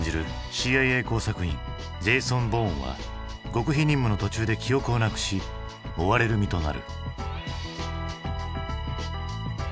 ＣＩＡ工作員ジェイソン・ボーンは極秘任務の途中で記憶をなくし追われる身となる。